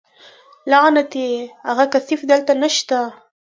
لعنتي اغه کثيف دلته نشته.